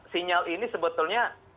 sinyal ini sebetulnya